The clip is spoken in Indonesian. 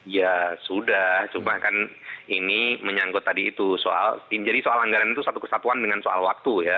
ya sudah cuma kan ini menyangkut tadi itu soal jadi soal anggaran itu satu kesatuan dengan soal waktu ya